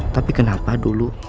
tapi kenapa dulu